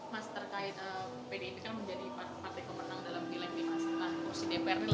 mas terkait pdi ini kan menjadi partai kemenang dalam pilihan ini mas